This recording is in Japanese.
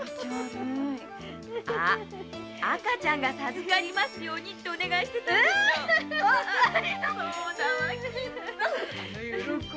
赤ちゃんが授かりますようにってお願いしてたのよきっとそうよ。